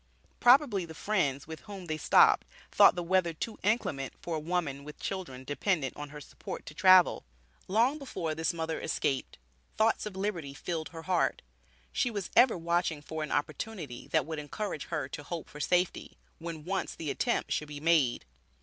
Probably the friends with whom they stopped thought the weather too inclement for a woman with children dependent on her support to travel. Long before this mother escaped, thoughts of liberty filled her heart. She was ever watching for an opportunity, that would encourage her to hope for safety, when once the attempt should be made.